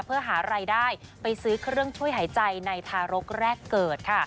เพื่อหารายได้ไปซื้อเครื่องช่วยหายใจในทารกแรกเกิดค่ะ